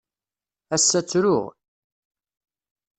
Ass-a ttruɣ.